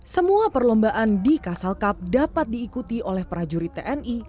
semua perlombaan di castle cup dapat diikuti oleh prajurit tni